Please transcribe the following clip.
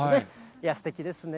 いや、すてきですね。